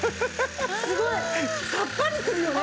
すごいさっぱりするよね